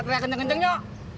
kita kaya kenceng kenceng yuk